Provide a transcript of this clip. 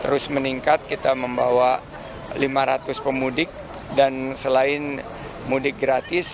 terus meningkat kita membawa lima ratus pemudik dan selain mudik gratis